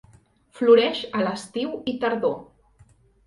Floreix a l'estiu i tardor.